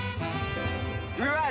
うわっ！